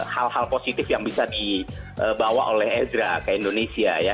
hal hal positif yang bisa dibawa oleh ezra ke indonesia ya